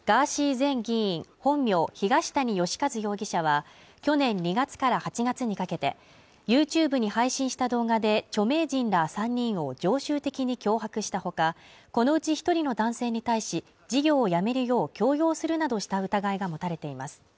前議員本名・東谷義和容疑者は去年２月から８月にかけてＹｏｕＴｕｂｅに配信した動画で、著名人ら３人を常習的に脅迫した他、このうち１人の男性に対し事業をやめるよう強要するなどした疑いが持たれています。